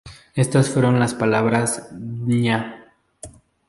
Estas fueron las palabras Dña.